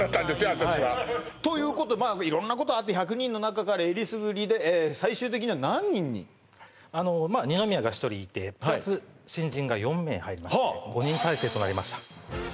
私はということで色んなことあって１００人の中からえりすぐりでまあ二宮が１人いてプラス新人が４名入りまして５人体制となりました